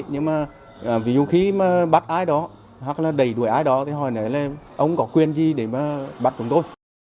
nhưng mà ví dụ khi bắt ai đó hoặc là đẩy đuổi ai đó thì hỏi là ông có quyền gì để bắt chúng tôi